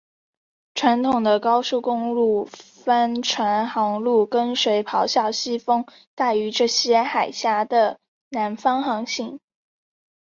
传统的高速帆船航路跟随咆哮西风带于这些海岬的南方航行。